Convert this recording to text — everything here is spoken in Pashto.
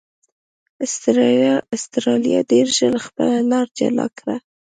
اسټرالیا ډېر ژر خپله لار جلا کړه.